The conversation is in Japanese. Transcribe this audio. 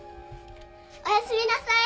おやすみなさい。